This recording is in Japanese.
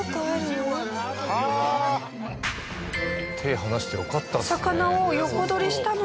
手離してよかったですね。